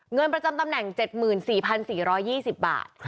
เงินประจำตำแหน่ง๗๔๔๒๐บาท